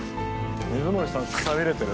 水森さんくたびれてる？